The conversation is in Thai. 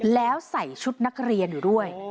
แล้วใส่ชุดนักเรียนอยู่ด้วย